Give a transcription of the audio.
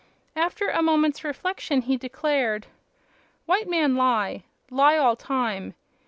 After a moment's reflection he declared: "White man lie. Lie all time.